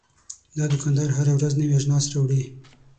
دا دوکاندار هره ورځ نوي اجناس راوړي.